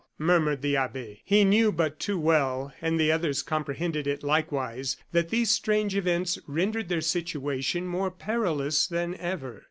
murmured the abbe. He knew but too well, and the others comprehended it likewise, that these strange events rendered their situation more perilous than ever.